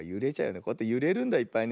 こうやってゆれるんだいっぱいね。